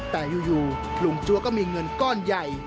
แต่อยู่ลุงจัวก็มีเงินก้อนใหญ่